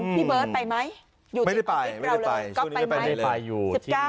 พี่เบิร์ตไปไหมไม่ได้ไปช่วงนี้ไม่ได้ไปเลย